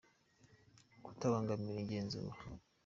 Kutabangamira igenzura